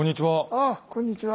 ああこんにちは。